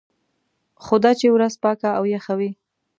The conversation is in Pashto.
خو دا چې ورځ پاکه او یخه وي.